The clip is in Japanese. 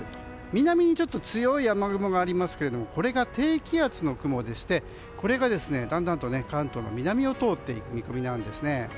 南に強い雨雲がありますがこれが低気圧の雲でしてこれがだんだんと関東の南を通っていく見込みです。